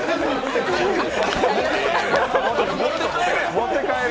持って帰る？